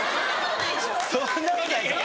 そんなことないから。